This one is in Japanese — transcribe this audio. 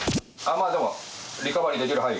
まあでもリカバリーできる範囲！